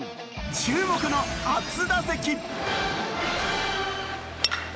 注目の初打席。